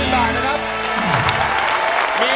โทษให้